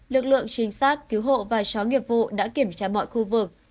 lực lượng trinh sát cứu hộ và chó nghiệp vụ đã kiểm tra mọi khu vực